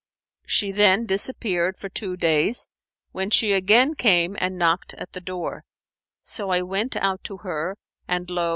She then disappeared for two days, when she again came and knocked at the door; so I went out to her, and lo!